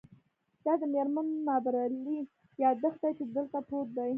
دا د میرمن مابرلي یادښت دی چې دلته پروت دی